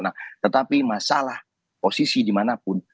nah tetapi masalah posisi dimanapun